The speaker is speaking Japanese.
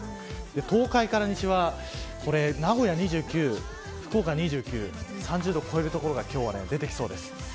東海から西は名古屋２９、福岡２９３０度を超える所が今日は出てきそうです。